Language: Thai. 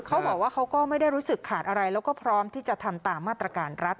เขาก็ไม่ได้รู้สึกขาดอะไรแล้วก็พร้อมที่จะทำตามมาตรการรัฐ